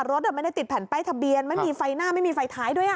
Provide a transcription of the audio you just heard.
รถไม่ได้ติดแผ่นป้ายทะเบียนไม่มีไฟหน้าไม่มีไฟท้ายด้วย